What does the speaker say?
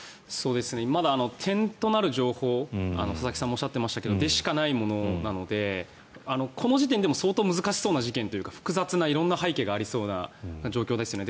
まだ点となる情報佐々木さんもおっしゃっていましたが点でしかないものなのでこの時点でも相当難しそうな事件というか複雑な色んな背景がありそうな状況ですよね。